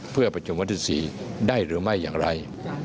เพื่อประชุมวันที่๔ได้หรือไม่อย่างไร